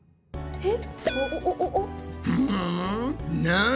えっ？